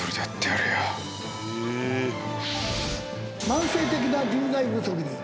☎慢性的な。